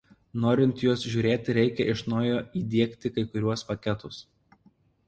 Norint juos žiūrėti reikia iš naujo įdiegti kai kuriuos paketus.